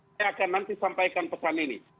saya akan nanti sampaikan pesan ini